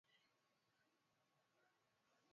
Bya ma informatique lwangu shibiyuwi lwangu